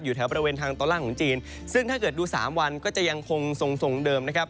แถวบริเวณทางตอนล่างของจีนซึ่งถ้าเกิดดูสามวันก็จะยังคงทรงทรงเดิมนะครับ